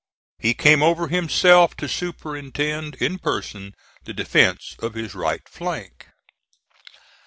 He came over himself to superintend in person the defence of his right flank.